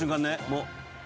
もう。